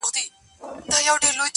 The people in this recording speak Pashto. له ازله یو قانون د حکومت دی٫